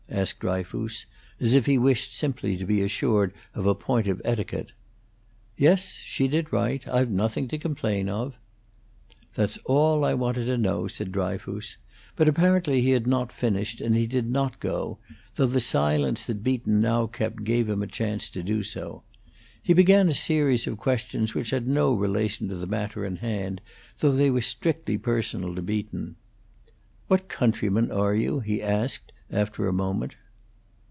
asked Dryfoos, as if he wished simply to be assured of a point of etiquette. "Yes, she did right. I've nothing to complain of." "That's all I wanted to know," said Dryfoos; but apparently he had not finished, and he did not go, though the silence that Beaton now kept gave him a chance to do so. He began a series of questions which had no relation to the matter in hand, though they were strictly personal to Beaton. "What countryman are you?" he asked, after a moment.